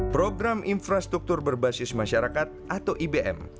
program infrastruktur berbasis masyarakat atau ibm